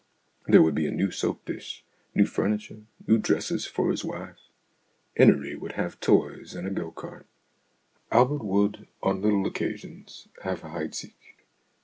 There would be a new soap dish, new furniture, new dresses for his wife. 'Ennery would have toys and a go cart ; Albert would, on little occasions, have Heidsieck.